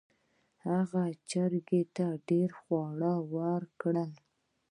هغې چرګې ته ډیر خواړه ورکړل.